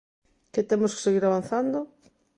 ¿Que temos que seguir avanzando?